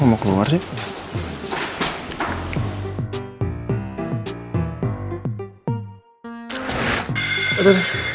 kok mau keluar sih